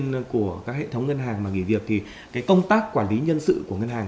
các nhân viên của các hệ thống ngân hàng nghỉ việc thì công tác quản lý nhân sự của ngân hàng